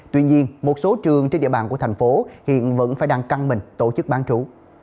tuy nhiên một số trường trên địa bàn của thành phố hiện vẫn phải đang căng mình tổ chức bán trú